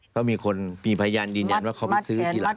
ก็มีคนมีพยานยืนยันว่าเขาไปซื้อทีหลัง